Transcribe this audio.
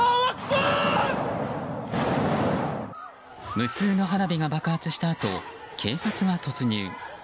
無数の花火が爆発したあと警察が突入。